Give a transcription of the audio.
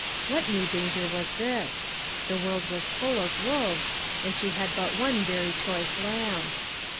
What new danger was this ? The world was full of wolves, and she had but one very choice lamb.